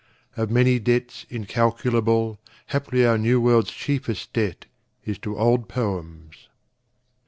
(Of many debts incalculable, Haply our New World's chieftest debt is to old poems.)